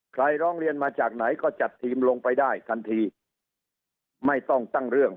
ร้องเรียนมาจากไหนก็จัดทีมลงไปได้ทันทีไม่ต้องตั้งเรื่อง